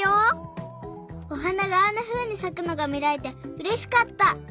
おはながあんなふうにさくのがみられてうれしかった。